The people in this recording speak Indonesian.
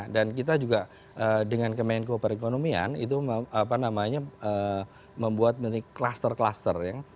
dan kita juga dengan kemenko perekonomian itu apa namanya membuat cluster cluster ya